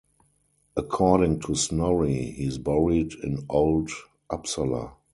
According to Snorri, he is buried in Old Uppsala.